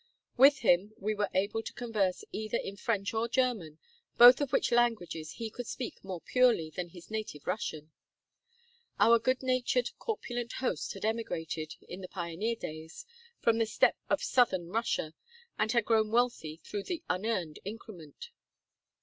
With him we were able to converse either in French or German, both of which languages he could speak more purely than his native Russian. Our good natured, corpulent host had emigrated, in the pioneer days, from the steppes of southern Russia, and had grown wealthy through the "unearned increment."